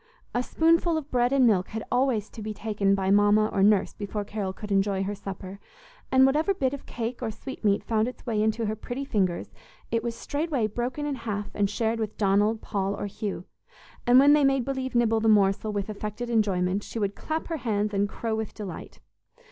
A spoonful of bread and milk had always to be taken by Mama or nurse before Carol could enjoy her supper; and whatever bit of cake or sweetmeat found its way into her pretty fingers, it was straightway broken in half and shared with Donald, Paul or Hugh; and, when they made believe nibble the morsel with affected enjoyment, she would clap her hands and crow with delight.